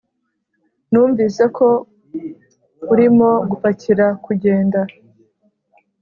numvise ko urimo gupakira kugenda!